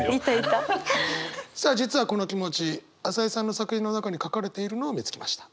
さあ実はこの気持ち朝井さんの作品の中に書かれているのを見つけました。